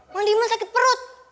mang diman sakit perut